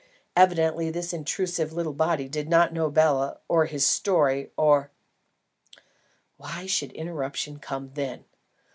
Evidently this intrusive little body did not know Bela or his story, or Why should interruption come then?